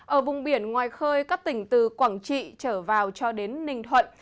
ở vùng biển ngoài khơi các tỉnh từ quảng trị trở vào cho đến ninh thuận